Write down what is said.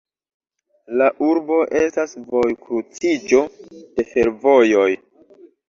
La urbo estas vojkruciĝo de fervojoj.